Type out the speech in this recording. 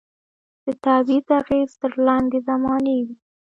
د تعویذ اغېز تر لنډي زمانې وي